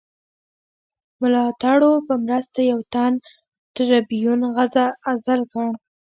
ملاتړو په مرسته یو تن ټربیون عزل کړ.